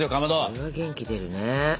それは元気出るね。